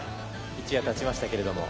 一夜たちましたけども。